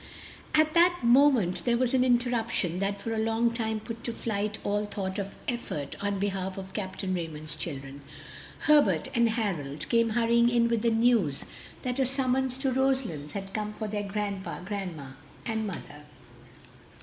At that moment there was an interruption that for a long time put to flight all thought of effort on behalf of Capt. Raymond's children: Herbert and Harold came hurrying in with the news that a summons to Roselands had come for their grandpa, grandma, and mother.